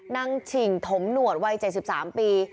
ฉิ่งถมหนวดวัย๗๓ปี